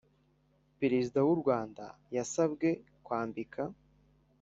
perezida w'u rwanda yasabwe kwambika